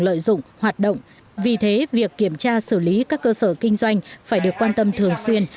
lợi dụng hoạt động vì thế việc kiểm tra xử lý các cơ sở kinh doanh phải được quan tâm thường xuyên